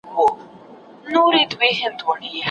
که پوهنه د ژوند اړتیا وګرځي، بې سوادي نه دوام کوي.